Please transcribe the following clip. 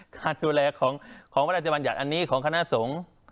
การดูแลของพระราชบัญญัติอันนี้ของคณะสงฆ์